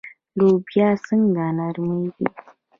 لوبیې څنګه نرمیږي؟